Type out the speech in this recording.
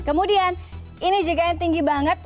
kemudian ini juga yang tinggi banget